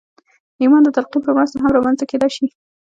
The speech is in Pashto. ایمان د تلقین په مرسته هم رامنځته کېدای شي